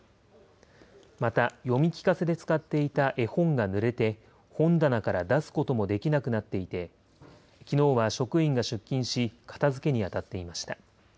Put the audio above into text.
また、読み聞かせで使っていた絵本がぬれて、本棚から出すこともできなくなっていて、きのうは職員が出勤し、片づけに当たっていました。